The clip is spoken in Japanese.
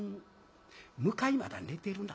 向かいまだ寝てるな」。